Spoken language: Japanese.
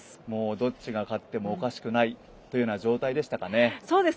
どっちが勝ってもおかしくないという状態でしたかね。